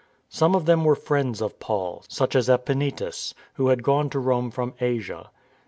Some of them were friends of Paul, such as Epsenetus, who had gone to Rome from Asia.